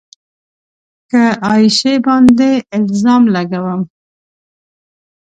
که عایشې باندې الزام لګوم